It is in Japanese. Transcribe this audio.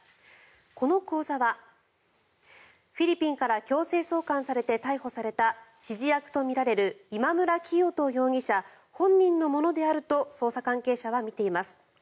この口座はフィリピンから強制送還されて逮捕された指示役とみられる今村磨人容疑者本人のものであると捜査関係者は見ています。